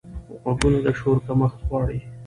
غوږونه د شور کمښت غواړي